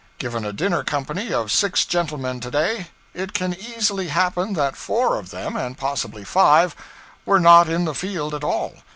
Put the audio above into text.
Given a dinner company of six gentlemen to day, it can easily happen that four of them and possibly five were not in the field at all.